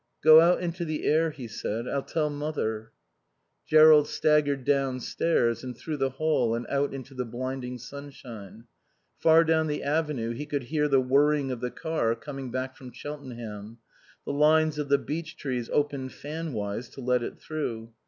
"Go out into the air," he said. "I'll tell Mother." Jerrold staggered downstairs, and through the hall and out into the blinding sunshine. Far down the avenue he could hear the whirring of the car coming back from Cheltenham; the lines of the beech trees opened fan wise to let it through.